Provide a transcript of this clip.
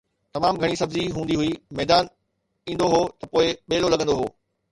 تمام گهڻي سبزي هوندي هئي، ميدان ايندو هو ته پوءِ ٻيلو لڳندو هو